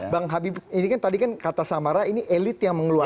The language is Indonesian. bang habib ini kan tadi kan kata samara ini elit yang mengeluarkan